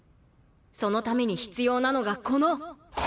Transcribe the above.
そのために必要なのがこの。